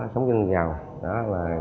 sống trên ghe cào